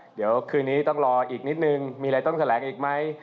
เดี๋ยวคืนนี้ต้องรออีกนิดนึงมีอะไรต้องแถลงอีกไหม